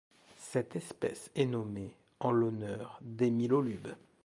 Cette espèce est nommée en l'honneur d'Emil Holub.